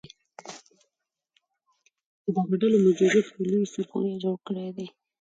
د دغه ډلو موجودیت یو لوی سرخوږې جوړ کړیدی